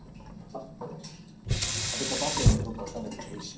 食べ方合ってんのかどうか分かんないけどおいしい。